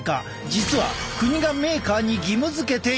実は国がメーカーに義務づけている！